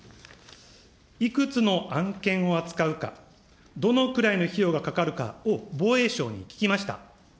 いくつの案件を扱うか、どのくらいの費用がかかるかを防衛省に聞きました。